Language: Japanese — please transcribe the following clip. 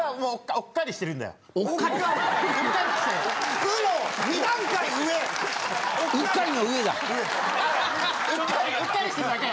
うっかりうっかりしてるだけ。